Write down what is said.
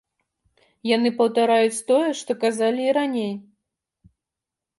Яны паўтараюць тое, што казалі і раней.